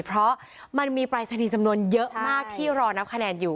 เพราะมันมีปรายศนีย์จำนวนเยอะมากที่รอนับคะแนนอยู่